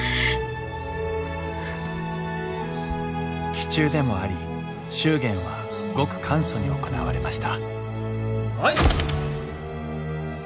忌中でもあり祝言はごく簡素に行われましたはい。